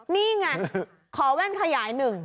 นี่ไงขอแว่นขยายหนึ่ง